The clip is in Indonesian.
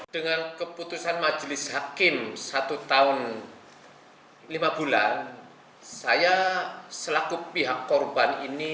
dengan keputusan majelis hakim satu tahun lima bulan saya selaku pihak korban ini